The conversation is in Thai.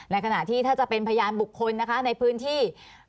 ขณะที่ถ้าจะเป็นพยานบุคคลนะคะในพื้นที่